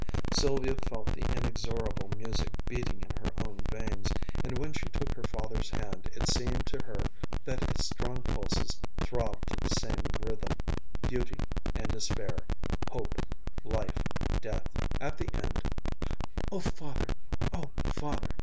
Sylvia felt the inexorable music beating in her own veins, and when she took her father's hand it seemed to her that its strong pulses throbbed to the same rhythm; beauty, and despair ... hope ... life ... death. At the end, "Oh, Father oh, Father!"